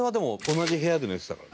同じ部屋で寝てたから。